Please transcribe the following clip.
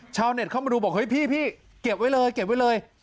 ชาวเน็ตเข้ามาดูบอกเฮ้ยพี่เก็บไว้เลย